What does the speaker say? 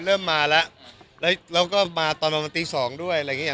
เริ่มมาแล้วแล้วก็มาตอนนั้นตีสองด้วยอะไรอย่างเงี้ย